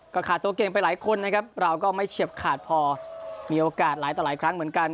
ก็ขาดตัวเก่งไปหลายคนนะครับเราก็ไม่เฉียบขาดพอมีโอกาสหลายต่อหลายครั้งเหมือนกัน